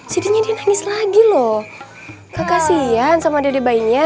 jadinya dia nangis lagi loh kekasian sama dede bayinya